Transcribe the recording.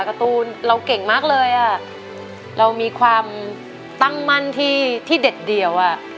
การ์ตูนเราเก่งมากเลยอ่ะเรามีความตั้งมั่นที่ที่เด็ดเดี่ยวอ่ะ